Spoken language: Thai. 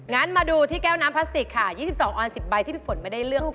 งั้นมาดูที่แก้วน้ำพลาสติกค่ะ๒๒ออน๑๐ใบที่พี่ฝนไม่ได้เลือก